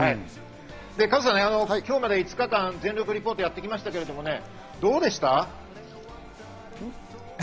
加藤さん、今日まで５日間、全力リポートをやってきましたけどね、どうでした？